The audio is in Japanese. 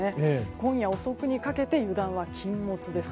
今夜遅くにかけて油断は禁物です。